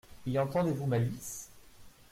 Y entendez-vous malice ?